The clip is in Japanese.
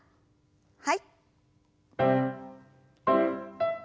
はい。